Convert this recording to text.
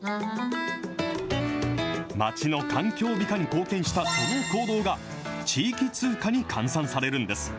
町の環境美化に貢献したその行動が、地域通貨に換算されるんです。